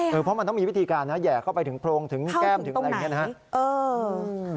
เพราะมันต้องมีวิธีการนะแห่เข้าไปถึงโพรงถึงแก้มถึงอะไรอย่างนี้นะครับ